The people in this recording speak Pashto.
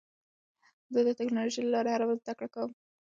زه د ټکنالوژۍ له لارې هره ورځ زده کړه کوم.